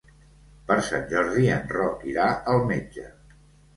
Per Sant Jordi en Roc irà al metge.